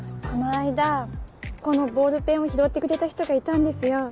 この間このボールペンを拾ってくれた人がいたんですよ。